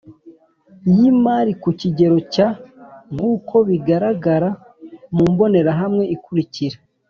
Y imari ku kigero cya nk uko bigararagara mu mbonerahamwe ikurikira